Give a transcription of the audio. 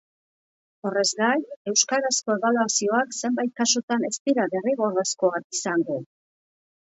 Horrez gain, euskarazko ebaluazioak zenbait kasutan ez dira derrigorrezkoak izango.